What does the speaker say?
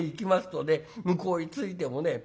向こうへ着いてもね